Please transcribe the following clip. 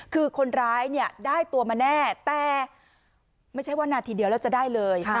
คือคนร้ายเนี่ยได้ตัวมาแน่แต่ไม่ใช่ว่านาทีเดียวแล้วจะได้เลย